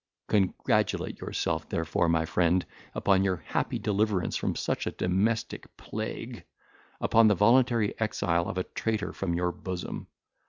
Congratulate yourself, therefore, my friend, upon your happy deliverance from such a domestic plague—upon the voluntary exile of a traitor from your bosom.